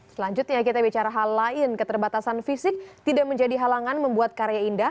selanjutnya kita bicara hal lain keterbatasan fisik tidak menjadi halangan membuat karya indah